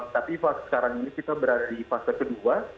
tapi sekarang ini kita berada di fase kedua